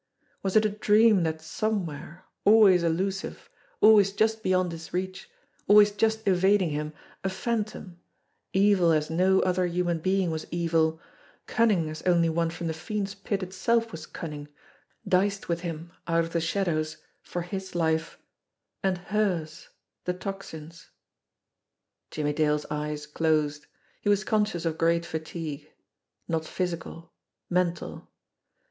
Was 157 158 JIMMIE DALE AND THE PHANTOM CLUE it a dream that somewhere, always elusive, always just be yond his reach, always just evading him, a phantom, evil as no other human being was evil, cunning as only one from the fiend's pit itself was cunning, diced with him out of the shadows for his life and hers, the Tocsin's? Jimmie Dale's eyes closed. He was conscious of great fatigue; not physical mental.